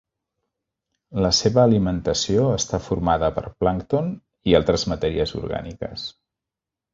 La seva alimentació està formada per plàncton i altres matèries orgàniques.